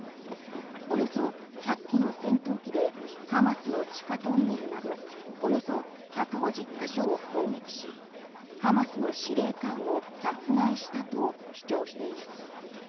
およそ１００機の戦闘機でハマスの地下トンネルなどおよそ１５０ヶ所を攻撃しハマスの司令官を殺害したと主張しています。